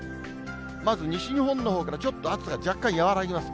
まず西日本のほうからちょっと暑さ、若干和らぎます。